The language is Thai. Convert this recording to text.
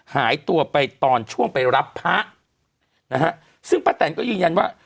หายตัวไปตอนช่วงไปรับพระนะฮะซึ่งป้าแตนก็ยืนยันว่า